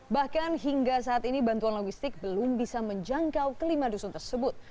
bahkan hingga saat ini bantuan logistik belum bisa menjangkau kelima dusun tersebut